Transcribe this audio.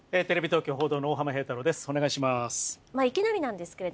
テレビ東京報道の大浜平太郎です。